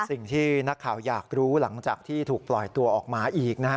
สิ่งที่นักข่าวอยากรู้หลังจากที่ถูกปล่อยตัวออกมาอีกนะฮะ